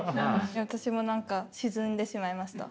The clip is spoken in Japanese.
私も何か沈んでしまいました。